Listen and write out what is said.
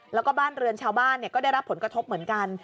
แล้วก็บ้านเรือนชาวบ้านก็ได้รับผลกระทบเหมือนกัน